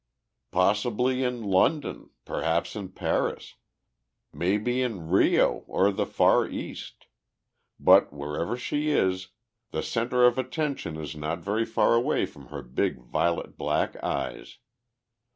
"Possibly in London, perhaps in Paris, maybe in Rio or the Far East. But wherever she is, the center of attention is not very far away from her big violet black eyes.